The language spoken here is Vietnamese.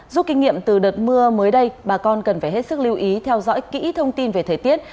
giúp kinh nghiệm từ đợt mưa mới đây bà con cần phải hết sức lưu ý theo dõi kỹ thông tin về thời tiết